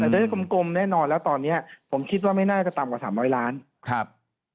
ได้กลมแน่นอนแล้วตอนนี้ผมคิดว่าไม่น่าจะต่ำกว่า๓๐๐ล้านครับ